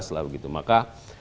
lah begitu maka